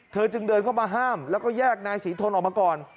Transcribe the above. จึงเดินเข้ามาห้ามแล้วก็แยกนายศรีทนออกมาก่อน